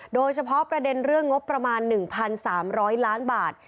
โดยเฉพาะประเด็นเรื่องงบประมาณ๑๓๐๐ล้านบาท